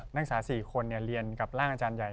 นักศึกษา๔คนเรียนกับร่างอาจารย์ใหญ่